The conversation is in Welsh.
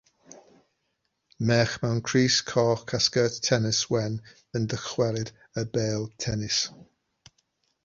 Merch mewn crys coch a sgert tenis wen yn dychwelyd y bêl tenis.